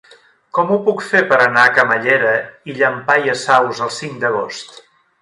Com ho puc fer per anar a Camallera i Llampaies Saus el cinc d'agost?